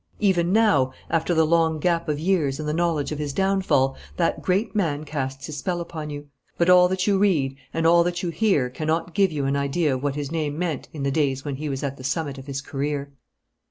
Even now, after the long gap of years and the knowledge of his downfall, that great man casts his spell upon you, but all that you read and all that you hear cannot give you an idea of what his name meant in the days when he was at the summit of his career.